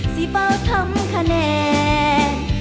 สิเป้าทำคะแนน